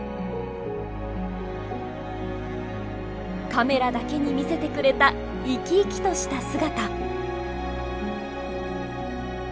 カメラだけに見せてくれた生き生きとした姿。